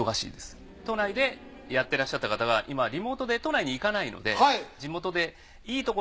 都内でやってらっしゃった方が今リモートで都内に行かないので。